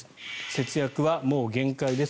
節約はもう限界です